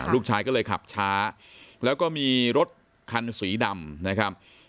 ลูกชายก็เลยขับช้าแล้วก็มีรถคันสีดำนะครับ